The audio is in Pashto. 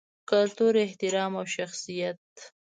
کلتور، احترام او شخصیت